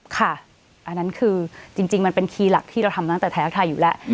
อันนั้นคือจริงมันเป็นคีย์หลักที่เราทำตั้งแต่ไทยทักทายอยู่แล้ว